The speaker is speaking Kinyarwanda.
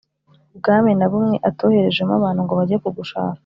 Ubwami na bumwe atoherejemo abantu ngo bajye kugushaka